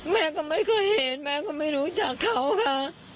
แม่ก็ไม่เคยเห็นแม่ก็ไม่รู้จักเขาค่ะ